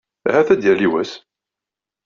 Ahat ad yali wass.